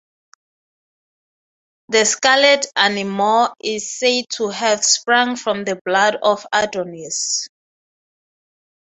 The scarlet anemone is said to have sprung from the blood of Adonis.